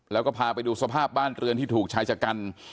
แล้วก็พาไปดูสภาพบ้านเรือนที่ถูกชายชะกัน